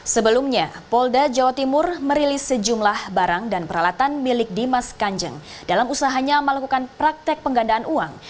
sebelumnya polda jawa timur merilis sejumlah barang dan peralatan milik dimas kanjeng dalam usahanya melakukan praktek penggandaan uang